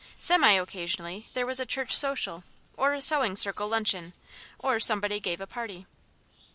Semi occasionally there was a church social or a sewing circle luncheon, or somebody gave a party.